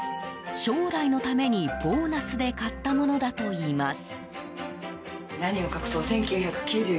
将来のために、ボーナスで買ったものだといいます。